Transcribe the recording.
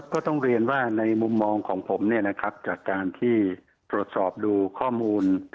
ก็ต้องเรียนว่าจากที่ไปหัวจึงเองการปรัสสอบดูข้อมูล